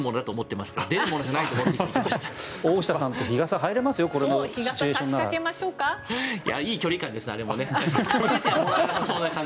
いい距離感ですね。